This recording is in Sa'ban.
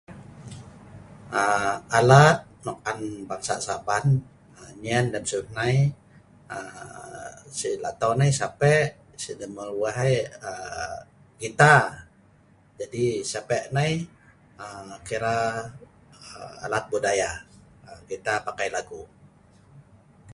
Alat nok an bangsa sa’ban mat lem siw nai, Si lakton ai sape, numur weh gitar, alat budaya lun saban.